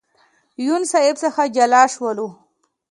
یون صاحب څخه جلا شولو.